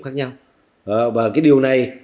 khác nhau và cái điều này